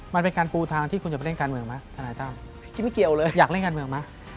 มันเป็นการบูทางที่คุณจะไปเล่นการเมืองไหม